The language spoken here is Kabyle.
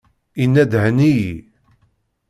Yenna-d: Henni-iyi!